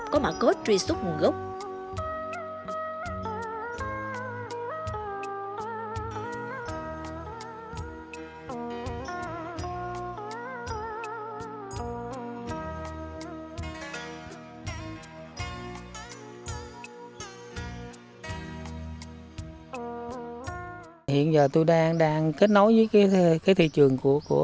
có mạc cốt truy xuất nguồn gốc